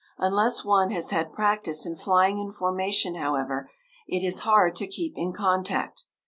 Unless one has had practice in flying in formation, however, it is hard to keep in contact.